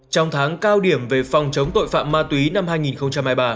trong tháng cao điểm về phòng chống tội phạm ma túy năm hai nghìn hai mươi ba